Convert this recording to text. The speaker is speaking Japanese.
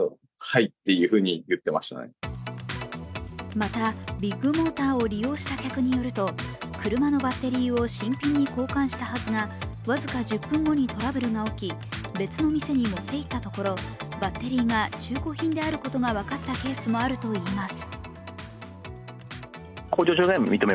また、ビッグモーターを利用した客によると車のバッテリーを新品に交換したはずが僅か１０分後にトラブルが起き別の店に持っていったところ、バッテリーが中古品であったことが分かったケースもあるといいます。